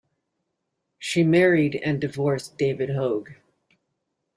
She married and divorced David Hoag.